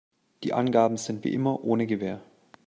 Die Angaben sind wie immer ohne Gewähr.